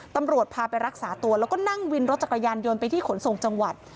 ตำรวจพาไปรักษาตัวแล้วก็นั่งวินรถจักรยานยนต์ไปที่ขนส่งจังหวัด